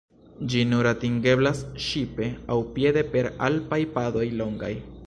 Ĝi nur atingeblas ŝipe aŭ piede per alpaj padoj longaj.